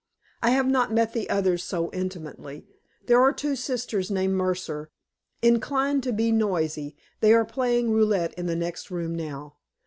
I have not met the others so intimately. There are two sisters named Mercer, inclined to be noisy they are playing roulette in the next room now.